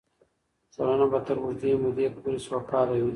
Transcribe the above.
ټولنه به تر اوږدې مودې پورې سوکاله وي.